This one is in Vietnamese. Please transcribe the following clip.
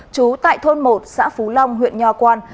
trú tại thôn một xã phú long huyện nho quan